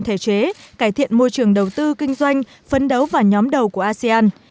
thể chế cải thiện môi trường đầu tư kinh doanh phấn đấu vào nhóm đầu của asean